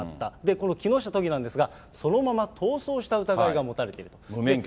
この木下都議なんですが、そのまま逃走した疑いが持たれていると。